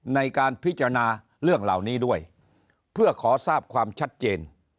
ในการพิจารณาเรื่องเหล่านี้ด้วยเพื่อขอทราบความชัดเจน